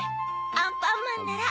アンパンマンなら。